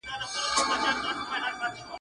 د مریانو او مینځو په څېر پت پلورونکي هم